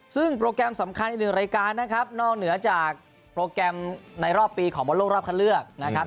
ซึ่งโปรแกรมสำคัญอีกหนึ่งรายการนะครับนอกเหนือจากโปรแกรมในรอบปีของบอลโลกรอบคันเลือกนะครับ